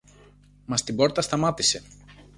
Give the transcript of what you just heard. Μα στην πόρτα σταμάτησε.